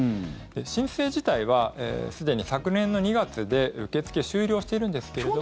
申請自体はすでに昨年の２月で受け付け終了してるんですけど。